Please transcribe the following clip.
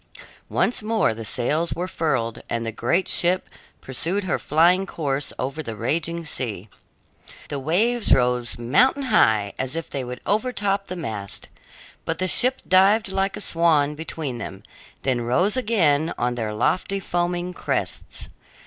Once more the sails were furled, and the great ship pursued her flying course over the raging sea. The waves rose mountain high, as if they would overtop the mast, but the ship dived like a swan between them, then rose again on their lofty, foaming crests.